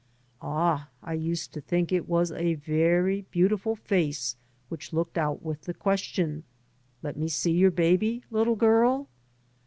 Ah, I used to think it was a very beau tiful face which looked out with the question : "Let me see your baby, little prl?